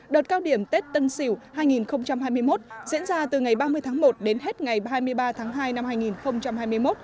đợt cao điểm tết tân sỉu hai nghìn hai mươi một diễn ra từ ngày ba mươi tháng một đến hết ngày hai mươi ba tháng hai năm hai nghìn hai mươi một